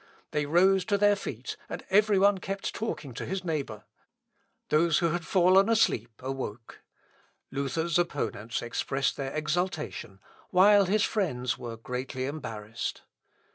They rose to their feet, and every one kept talking to his neighbour. Those who had fallen asleep, awoke. Luther's opponents expressed their exultation, while his friends were greatly embarrassed.